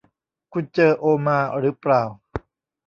คุณเจอโอมาหรือเปล่า